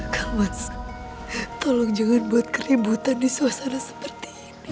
kah mas tolong jangan buat keributan di suasana seperti ini